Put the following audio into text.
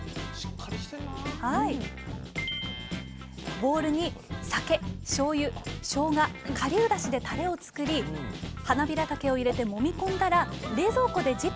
ボウルに酒しょうゆしょうが顆粒だしでたれを作りはなびらたけを入れてもみ込んだら冷蔵庫で１０分寝かせます